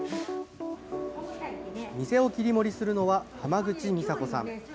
店を切り盛りするのは、浜口美佐子さん。